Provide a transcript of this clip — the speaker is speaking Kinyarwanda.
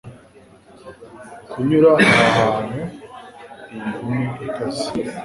Kunyura aha hantu iyi nkumi ikaze